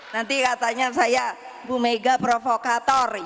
nanti katanya saya bumega provokator